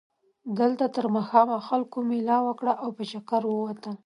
دلته تر ماښامه خلکو مېله وکړه او په چکر ووتل.